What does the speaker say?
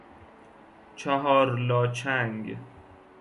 چهار لا چنگ